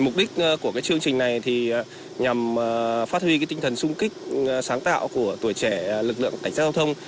mục đích của chương trình này nhằm phát huy tinh thần sung kích sáng tạo của tuổi trẻ lực lượng cảnh sát giao thông